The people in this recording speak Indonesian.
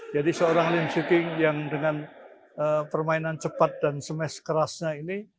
jadi seorang lim swicking yang dengan permainan cepat dan smash kerasnya ini